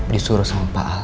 disuruh sama pak al